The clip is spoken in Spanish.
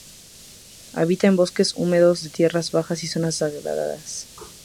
Habita en bosques húmedos de tierras bajas y zonas degradadas.